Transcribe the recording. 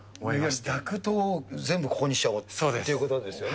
いわゆるダクトをここにしちゃおうということですよね。